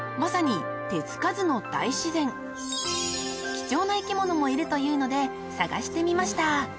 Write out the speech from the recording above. ［貴重な生き物もいるというので探してみました］